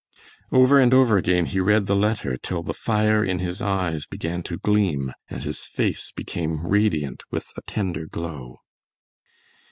Over and over again he read the letter, till the fire in his eyes began to gleam and his face became radiant with a tender glow.